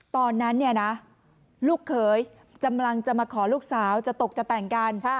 ตอนนั้นเนี่ยนะลูกเขยกำลังจะมาขอลูกสาวจะตกจะแต่งกัน